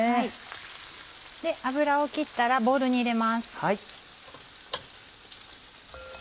油を切ったらボウルに入れます。